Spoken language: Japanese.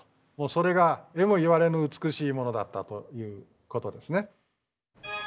それがえもいわれぬ美しいものだったということですね。